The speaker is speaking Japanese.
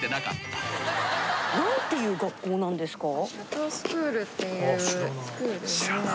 何ていう学校なんですか？